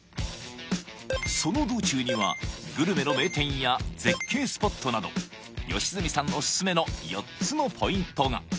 その道中にはグルメの名店や絶景スポットなど良純さんおすすめの４つのポイントが！